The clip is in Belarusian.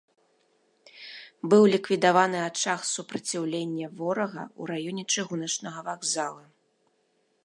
Быў ліквідаваны ачаг супраціўлення ворага ў раёне чыгуначнага вакзала.